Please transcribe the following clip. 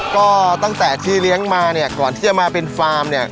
ก็ตั้งแต่ที่เลี้ยงมาเนี่ยก่อนที่จะมาเป็นฟาร์มเนี่ย